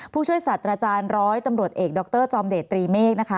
ผู้ช่วยสัตว์อาจารย์ร้อยตำรวจเอกดรจอมเดชตรีเมฆนะคะ